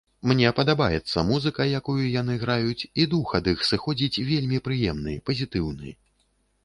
Мне падабаецца музыка, якую яны граюць, і дух ад іх сыходзіць вельмі прыемны, пазітыўны.